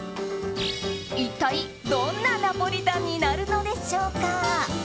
一体、どんなナポリタンになるのでしょうか。